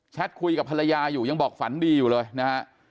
คุยกับภรรยาอยู่ยังบอกฝันดีอยู่เลยนะฮะ